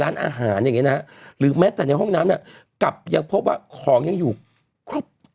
ร้านอาหารอย่างเงี้นะหรือแม้แต่ในห้องน้ำเนี่ยกลับยังพบว่าของยังอยู่ครบ